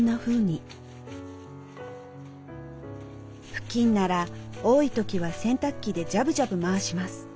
布巾なら多い時は洗濯機でジャブジャブ回します。